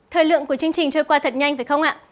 thời lượng của chương trình trôi qua thật nhanh phải không ạ